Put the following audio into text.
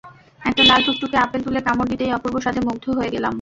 একটা লাল টুকটুকে আপেল তুলে কামড় দিতেই অপূর্ব স্বাদে মুগ্ধ হয়ে গেলাম।